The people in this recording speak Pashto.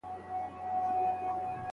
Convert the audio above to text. دیني مدرسې د تفکر اصلي مرکزونه وو.